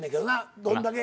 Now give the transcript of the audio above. どんだけ。